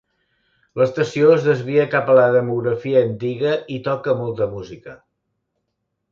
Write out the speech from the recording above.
L"estació es desvia cap a la demografia antiga i toca molta música.